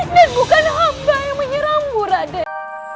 dan bukan hamba yang menyeramu raden